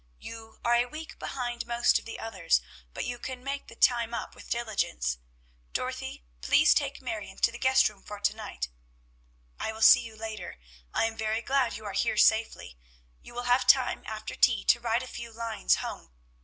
"You are a week behind most of the others, but you can make the time up with diligence. Dorothy, please take Marion to the guest room for to night. I will see you later. I am very glad you are here safely. You will have time after tea to write a few lines home.